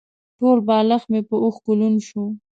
ټول بالښت مې په اوښکو لوند شو.